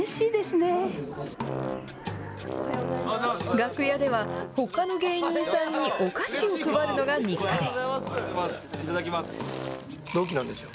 楽屋では、ほかの芸人さんにお菓子を配るのが日課です。